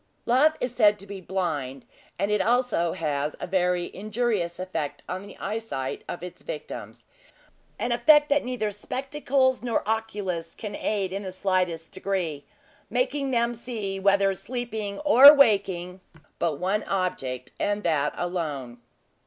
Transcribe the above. Love is said to be blind, and it also has a very injurious effect on the eyesight of its victims an effect that neither spectacles nor oculists can aid in the slightest degree, making them see whether sleeping or waking, but one object, and that alone.